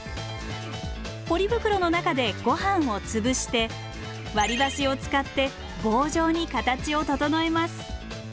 ポリ袋の中でごはんを潰して割り箸を使って棒状に形を整えます。